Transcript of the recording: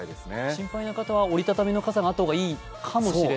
心配な方は折り畳みの傘があった方がいいかもしれない？